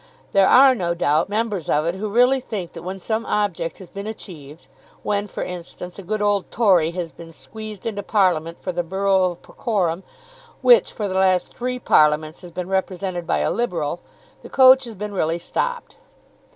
There are, no doubt, members of it who really think that when some object has been achieved, when, for instance, a good old Tory has been squeezed into Parliament for the borough of Porcorum, which for the last three parliaments has been represented by a Liberal, the coach has been really stopped.